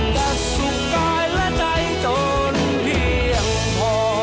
แต่สุขกายและใจจนเพียงพอ